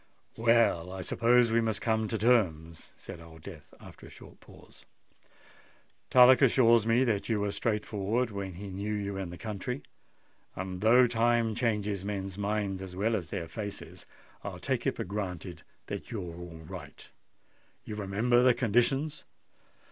"Well, I suppose we must come to terms," said Old Death after a short pause. "Tullock assures me that you were straight forward when he knew you in the country, and though time changes men's minds as well as their faces, I'll take it for granted that you're all right. You remember the conditions?"